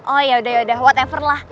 oh yaudah yaudah whatever lah